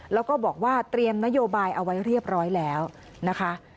แล้วก็บอกว่าเตรียมนโยบายเอาไว้เรียบร้อยแล้วนะคะ